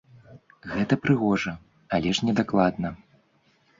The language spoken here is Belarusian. Гэта прыгожа, але ж недакладна.